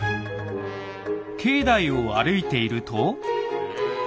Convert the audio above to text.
境内を歩いていると。